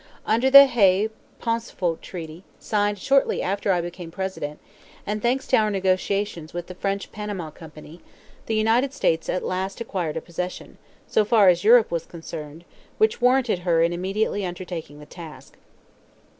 Under the Hay Pauncefote Treaty signed shortly after I became President, and thanks to our negotiations with the French Panama Company, the United States at last acquired a possession, so far as Europe was concerned, which warranted her in immediately undertaking the task.